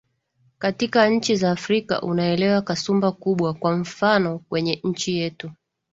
katika nchi za afrika unaelewa kasumba kubwa kwa mfano kwenye nchi yetu